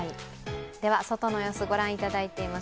外の様子、御覧いただいています